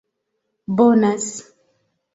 bonas